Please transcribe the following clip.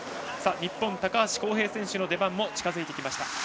日本、高橋幸平選手の出番も近づいてきました。